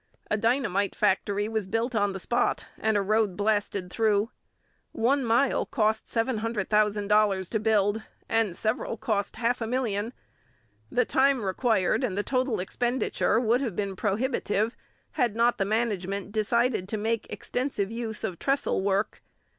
A dynamite factory was built on the spot and a road blasted through. One mile cost $700,000 to build and several cost half a million. The time required and the total expenditure would have been prohibitive had not the management decided to make extensive use of trestle work.